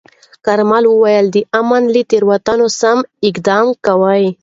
کارمل وویل، د امین له تیروتنو سم اقدام کوي.